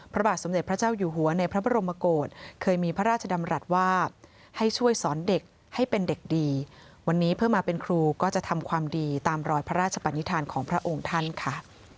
พระบาทสมเด็จพระเจ้าอยู่หัวในพระบรมโกศเคยมีพระราชดำรัฐว่าให้ช่วยสอนเด็กให้เป็นเด็กดีวันนี้เพื่อมาเป็นครูก็จะทำความดีตามรอยพระราชปนิษฐานของพระองค์ท่านค่ะ